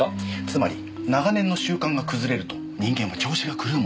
つまり長年の習慣が崩れると人間は調子が狂うものなんです。